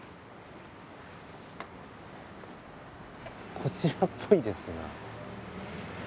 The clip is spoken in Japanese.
こちらっぽいですな。